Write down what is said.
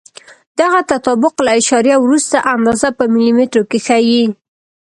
دغه تطابق له اعشاریه وروسته اندازه په ملي مترو کې ښیي.